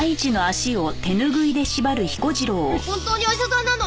本当にお医者さんなの？